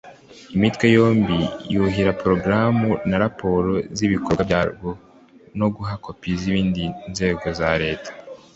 imitwe yombi kuyiha porogaramu na raporo z'ibikorwa byarwo no guha kopi izindi nzego za leta;